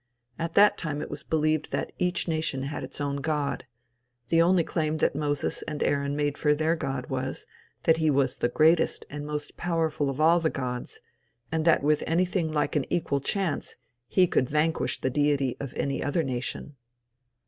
At that time it was believed that each nation had its own god. The only claim that Moses and Aaron made for their God was, that he was the greatest and most powerful of all the gods, and that with anything like an equal chance he could vanquish the deity of any other nation.